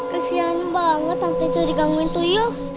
kesian banget sampai itu digangguin tuyul